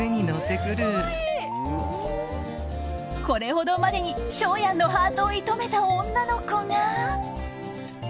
これほどまでに翔やんのハートを射止めた女の子が。